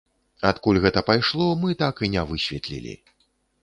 Адкуль гэта пайшло, мы так і не высветлілі.